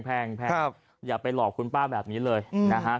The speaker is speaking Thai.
แพงอย่าไปหลอกคุณป้าแบบนี้เลยนะฮะ